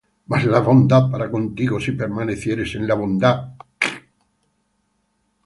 mas la bondad para contigo, si permanecieres en la bondad;